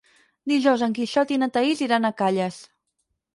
Dijous en Quixot i na Thaís iran a Calles.